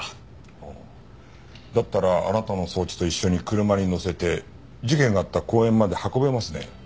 ほうだったらあなたの装置と一緒に車に載せて事件があった公園まで運べますね。